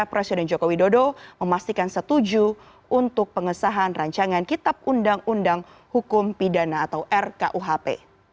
presiden joko widodo memastikan setuju untuk pengesahan rancangan kitab undang undang hukum pidana atau rkuhp